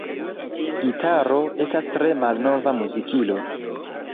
Gitaro estas tre malnova muzikilo.